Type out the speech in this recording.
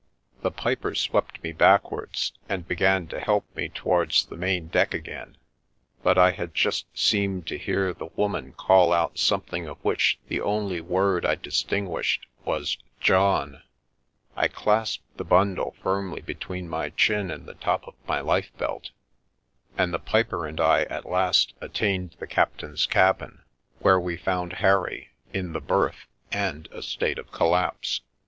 The piper swept me backwards, and began to help me towards the main deck again, but I had just seemed to hear the woman call out something of which the only word I distinguished was " John." I clasped the bundle firmly between my chin and the top of my lifebelt, and the piper and I at last attained the captain's cabin, where we found Harry in the berth and a state of collapse.